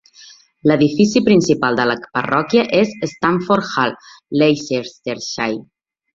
L'edifici principal de la parròquia és Stanford Hall, Leicestershire.